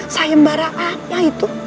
saembara apa itu